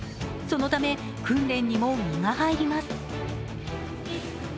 そのため訓練にも身が入ります。